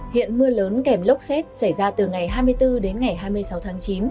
hiện mưa lớn kèm lốc xét xảy ra từ ngày hai mươi bốn đến ngày hai mươi sáu tháng chín